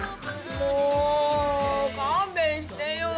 もう勘弁してよ。